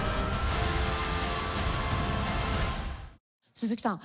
鈴木さん